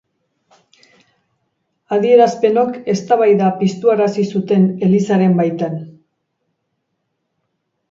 Adierazpenok eztabaida piztuarazi zuten Elizaren baitan.